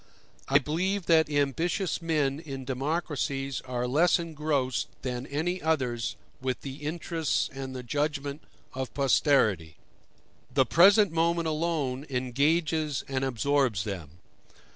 I believe that ambitious men in democracies are less engrossed than any others with the interests and the judgment of posterity; the present moment alone engages and absorbs them.